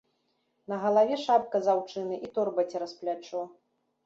На галаве шапка з аўчыны, і торба цераз плячо.